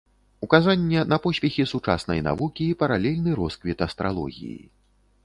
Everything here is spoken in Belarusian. Указанне на поспехі сучаснай навукі і паралельны росквіт астралогіі.